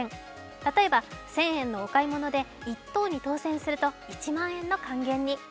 例えば１０００円のお買い物で１等に当選すると１万円の還元に。